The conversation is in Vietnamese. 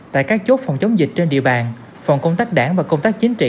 tại các chốt phòng chống dịch trên địa bàn phòng công tác đảng và công tác chính trị